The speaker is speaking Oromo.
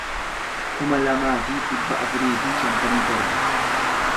kuma lamaa fi dhibba afurii fi shantamii torba